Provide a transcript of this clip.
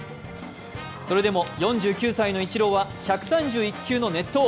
それでも４９歳のイチローは１３１球の熱投。